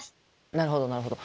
なるほどなるほど。